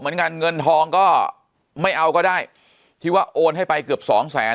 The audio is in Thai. เหมือนกันเงินทองก็ไม่เอาก็ได้ที่ว่าโอนให้ไปเกือบ๒แสน